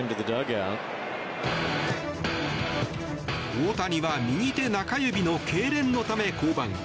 大谷は右手中指のけいれんのため降板。